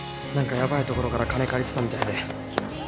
何かヤバいところから金借りてたみたいで。